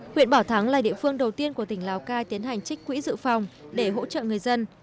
huyện bảo thắng là địa phương đầu tiên của tỉnh lào cai tiến hành trích quỹ dự phòng để hỗ trợ người dân